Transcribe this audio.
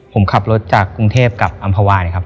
ผมขับรถจากกรุงเทพกับอำภาวานะครับ